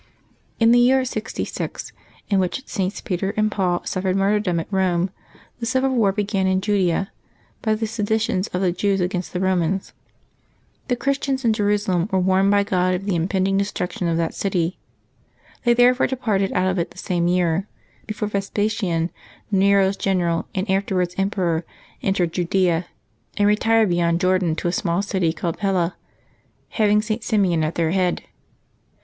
In the year 6Q, in which Sts. Peter and Paul suffered martjTdom at Rome, the civil war began in Judea, by the seditions of the Jews against the Romans. The Christians in Jerusalem were warned by God of the impending de struction of that city. They therefore departed out of it the same year, — before Vespasian, Nero's general, and afterwards emperor, entered Judea, — and retired beyond Jordan to a small city called Pella, having St. Simeon at their head.